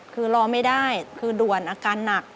คือรอไม่ได้คือด่วนอาการหนัก